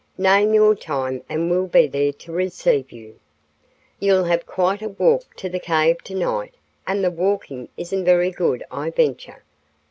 "Name your time and we'll be there to receive you." "You'll have quite a walk to the cave tonight, and the walking isn't very good, I venture.